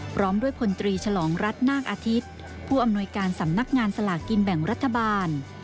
พร้อมด้วยพลตรีฉลองรัฐนาคอาทิตย์ผู้อำนวยการสำนักงานสลากกินแบ่งรัฐบาล